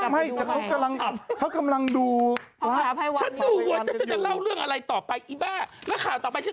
มันตัดชนะเป็นรู้อย่างจะตัดตอนนี้อีกที